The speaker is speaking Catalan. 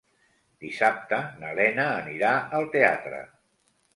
Dissabte na Lena anirà al teatre.